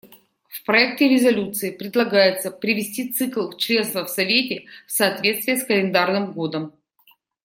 В проекте резолюции предлагается привести цикл членства в Совете в соответствие с календарным годом.